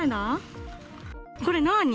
これなあに？